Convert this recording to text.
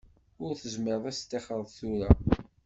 Ur tezmireḍ ad teṭṭixreḍ tura.